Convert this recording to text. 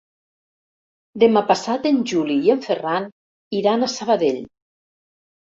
Demà passat en Juli i en Ferran iran a Sabadell.